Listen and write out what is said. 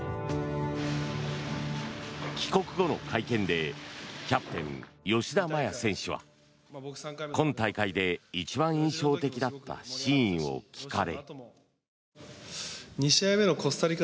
帰国後の会見でキャプテン、吉田麻也選手は今大会で一番印象的だったシーンを聞かれ。